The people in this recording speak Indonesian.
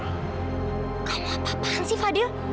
kalau apa apaan sih fadil